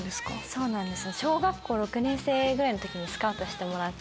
そうなんです。